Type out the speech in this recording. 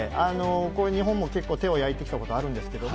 日本も結構、手を焼いてきたことあるんですけれども。